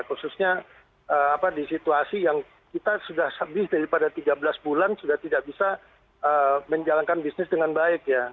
khususnya di situasi yang kita sudah habis daripada tiga belas bulan sudah tidak bisa menjalankan bisnis dengan baik ya